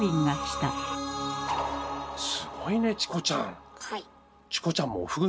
すごいねチコちゃん！